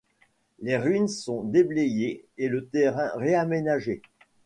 Les ruines sont déblayées et le terrain réaménagé.